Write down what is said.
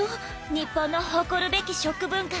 日本の誇るべき食文化